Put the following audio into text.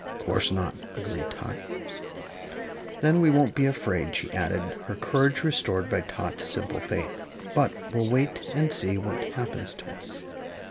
"Course not," agreed Tot. "Then we won't be afraid," she added, her courage restored by Tot's simple faith; "but will wait and see what happens to us."